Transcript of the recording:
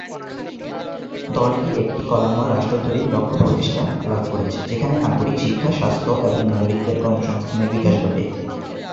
দলটি একটি কল্যাণময় রাষ্ট্র তৈরির লক্ষ্য প্রতিষ্ঠা লাভ করেছে, যেখানে নাগরিক শিক্ষা, স্বাস্থ্য এবং নাগরিকদের কর্মসংস্থানের বিকাশ ঘটে।